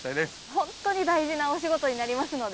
本当に大事なお仕事になりますので。